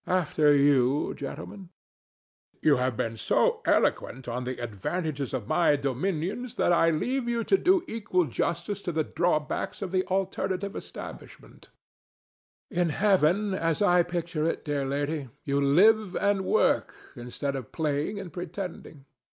DON JUAN. After you, gentlemen. THE DEVIL. [to Don Juan] You have been so eloquent on the advantages of my dominions that I leave you to do equal justice to the drawbacks of the alternative establishment. DON JUAN. In Heaven, as I picture it, dear lady, you live and work instead of playing and pretending.